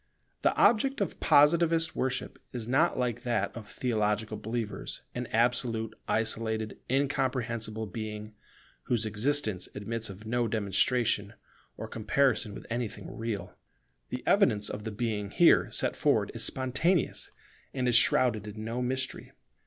The object of Positivist worship is not like that of theological believers an absolute, isolated, incomprehensible Being, whose existence admits of no demonstration, or comparison with anything real. The evidence of the Being here set forward is spontaneous, and is shrouded in no mystery.